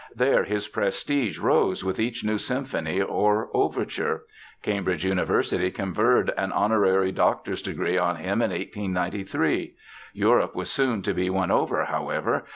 There his prestige rose with each new symphony or overture. Cambridge University conferred an honorary doctor's degree on him in 1893. Europe was soon to be won over, however.